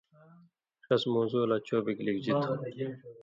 ݜس موضوع لا چو بِگ لِکژی تُھو